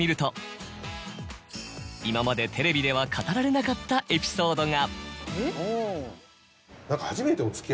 今までテレビでは語られなかったエピソードが。